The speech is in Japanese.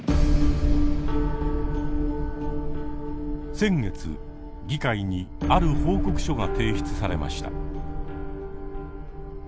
先月議会にある報告書が提出されました。